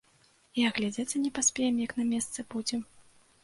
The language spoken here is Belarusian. І агледзецца не паспеем, як на месцы будзем!